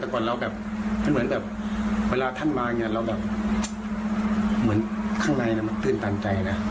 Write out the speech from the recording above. แต่ก่อนเราแบบมันเหมือนแบบเวลาท่านมาเนี่ยเราแบบเหมือนข้างในมันตื่นตันใจนะ